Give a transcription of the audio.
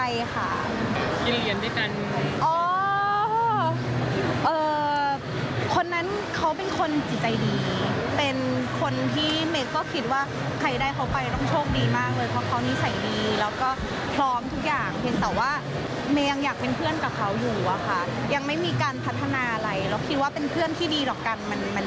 ยังไม่มีการพัฒนาอะไรแล้วคิดว่าเป็นเพื่อนที่ดีหรอกกัน